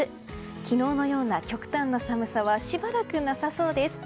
昨日のような極端な寒さはしばらくなさそうです。